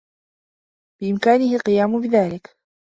بإمكانه القيام بذلك.